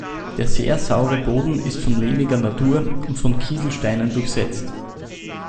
Der sehr saure Boden ist von lehmiger Natur und von Kieselsteinen durchsetzt.